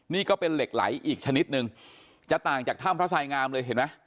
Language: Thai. นี่ก็เป็นเหล็กไหลอีกชนิดนึงจะต่างจากถ้ำพระสายงามเลยเห็นไหม